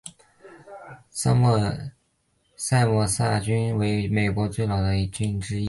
桑莫塞郡为美国最老的郡之一。